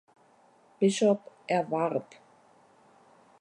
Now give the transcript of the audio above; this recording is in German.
Bishop erwarb.